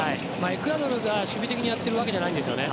エクアドルが守備的にやっているわけじゃないんですよね。